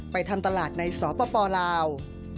ทำตลาดในสปลาว